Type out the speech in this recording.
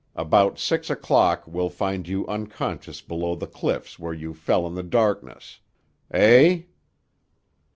About six o'clock we'll find you unconscious below the cliffs where you fell in the darkness. Eh?"